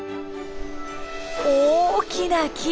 大きな木！